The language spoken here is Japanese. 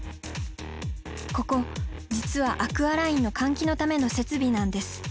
ここ実はアクアラインの換気のための設備なんです。